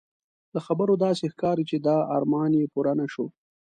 له خبرو داسې ښکاري چې دا ارمان یې پوره نه شو.